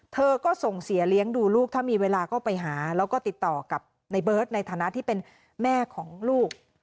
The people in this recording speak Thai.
เธอก็ส่งเสียเลี้ยงดูลูกถ้ามีเวลาก็ไปหาแล้วก็ติดต่อกับในเบิร์ตในฐานะที่เป็นแม่ของลูก